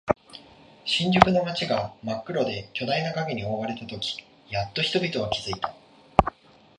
新宿の街が真っ黒で巨大な影に覆われたとき、やっと人々は気づいた。